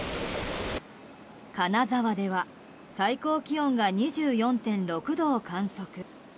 金沢では最高気温が２４．６度を観測。